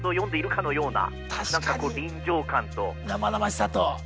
生々しさと。